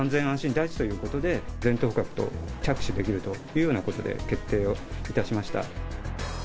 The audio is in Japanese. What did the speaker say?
第一ということで、全頭捕獲と、着手できるというようなことで、決定をいたしました。